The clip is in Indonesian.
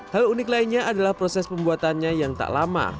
hal unik lainnya adalah proses pembuatannya yang tak lama